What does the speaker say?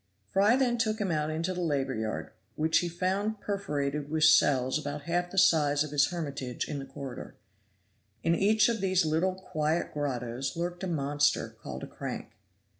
Fry then took him out into the labor yard, which he found perforated with cells about half the size of his hermitage in the corridor. In each of these little quiet grottoes lurked a monster, called a crank.